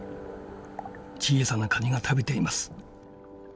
小さなカニが食べています。